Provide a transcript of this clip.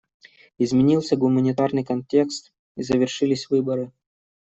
Изменился гуманитарный контекст, и завершились выборы.